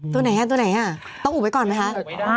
ตัวไหนต้องอุบไว้ก่อนไหมฮะ